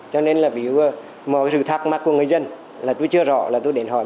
cho nên là ví dụ mọi sự thắc mắc của người dân là tôi chưa rõ là tôi đến hỏi